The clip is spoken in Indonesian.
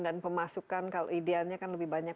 dan pemasukan kalau ideannya kan lebih banyak